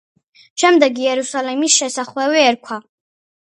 შემდეგ იერუსალიმის შესახვევი ერქვა.